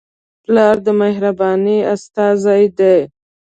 پلار د مهربانۍ استازی دی.